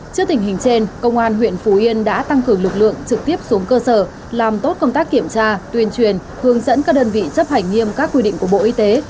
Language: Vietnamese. trước tình hình trên công an huyện phú yên đã tăng cường lực lượng trực tiếp xuống cơ sở làm tốt công tác kiểm tra tuyên truyền hướng dẫn các đơn vị chấp hành nghiêm các quy định của bộ y tế